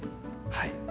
はい。